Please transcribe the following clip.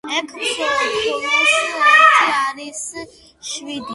ექვს პლუს ერთი არის შვიდი.